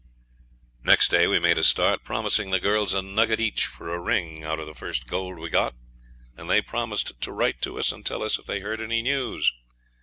Next day we made a start, promising the girls a nugget each for a ring out of the first gold we got, and they promised to write to us and tell us if they heard any news.